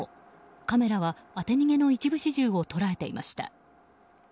カメラは当て逃げの一部始終を捉えていました。